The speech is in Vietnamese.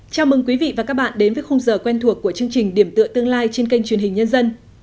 chào mừng quý vị và các bạn đến với khung giờ quen thuộc của chương trình điểm tựa tương lai trên kênh truyền hình nhân dân